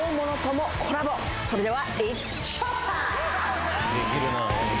それでは。